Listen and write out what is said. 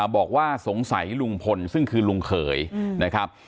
บอกว่าสงสัยลุงพลซึ่งคือลุงเขยนะครับ